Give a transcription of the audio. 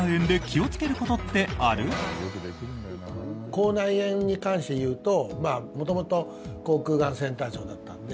口内炎に関して言うと元々口腔がんセンター長だったんで。